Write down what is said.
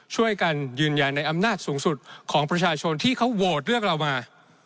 ช่วยกันยืนยันในอำนาจสูงสุดของประชาชนที่เขาโหวตเลือกเรามา